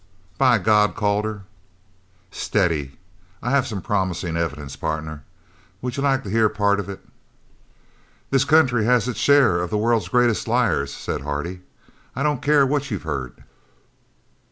"By God, Calder " "Steady! I have some promising evidence, partner. Would you like to hear part of it?" "This country has its share of the world's greatest liars," said Hardy, "I don't care what you've heard."